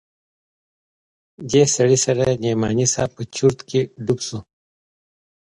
دې سره نعماني صاحب په چورت کښې ډوب سو.